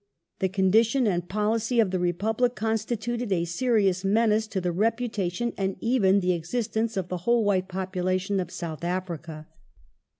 The condition and policy of the Republic constituted a serious menace to the reputa tion and even the existence of the whole white population of South Africa.